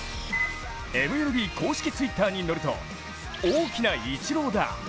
ＭＬＢ公式Ｔｗｉｔｔｅｒに載ると「大きなイチローだ」